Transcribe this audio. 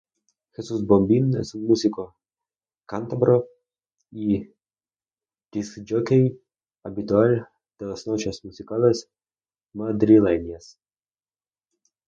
Jesús Bombín es un músico cántabro y disc-jockey habitual de las noches musicales madrileñas.